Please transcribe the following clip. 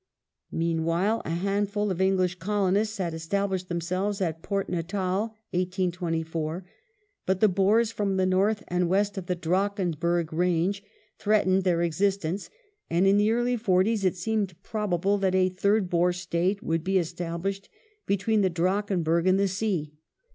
^ Meanwhile, a handful of English colonists had established Natal themselves at Port Natal (1824), but the Boei s from the north and west of the Drakensberg range threatened their existence, and in the early 'forties it seemed probable that a third Boer State would be established between the Drakensberg and the sea.